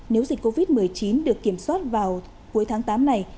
nếu dịch covid một mươi chín được kiểm soát vào cuối tháng tám này